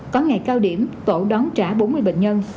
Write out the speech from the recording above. có ngày cao điểm tổ đón trả bốn mươi bệnh nhân